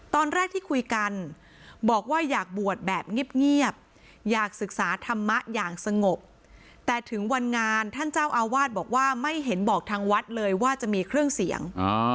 ตอนแรกที่คุยกันบอกว่าอยากบวชแบบเงียบอยากศึกษาธรรมะอย่างสงบแต่ถึงวันงานท่านเจ้าอาวาสบอกว่าไม่เห็นบอกทางวัดเลยว่าจะมีเครื่องเสียง